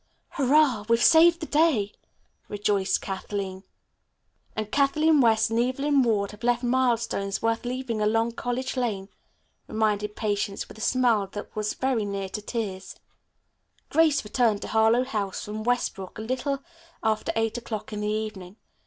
"Hurrah, we've saved the day," rejoiced Kathleen. "And Kathleen West and Evelyn Ward have left milestones worth leaving along College Lane," reminded Patience with a smile that was very near to tears. Grace returned to Harlowe House from Westbrook at a little after eight o'clock in the evening.